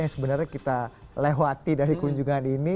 yang sebenarnya kita lewati dari kunjungan ini